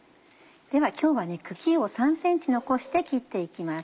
今日は茎を３ｃｍ残して切って行きます。